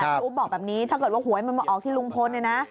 อุ๊บบอกแบบนี้ถ้าเกิดว่าหวยมันมาออกที่ลุงพลเนี่ยนะ